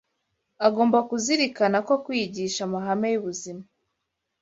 agomba kuzirikana ko kwigisha amahame y’ubuzima